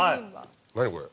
何これ。